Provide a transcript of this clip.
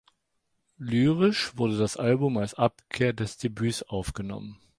Lyrisch wurde das Album als Abkehr des Debüts aufgenommen.